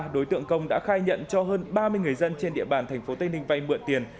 đối tượng công đã khai nhận cho hơn ba mươi người dân trên địa bàn tp tây ninh vay mượn tiền